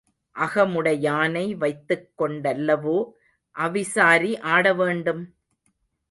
அகமுடையானை வைத்துக் கொண்டல்லவோ அவிசாரி ஆட வேண்டும்?